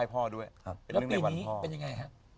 เป็นอย่างไรวันพอ